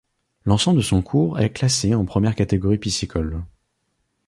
L'ensemble de son cours est classé en première catégorie piscicole.